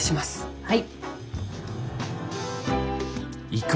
はい。